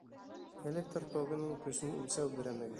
Электр тогының көсөн үлсәү берәмеге.